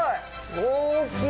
大きい！